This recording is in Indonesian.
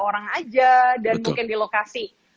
orang aja dan mungkin di lokasi